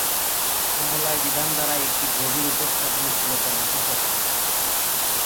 সমলয় বিধান দ্বারা একটি গভীর উপস্থাপনা ছিল তাঁর বিশেষত্ব।